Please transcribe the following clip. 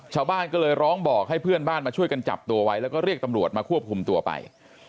ชาวบ้านก็เลยร้องบอกให้เพื่อนบ้านมาช่วยกันจับตัวไว้แล้วก็เรียกตำรวจมาควบคุมตัวไป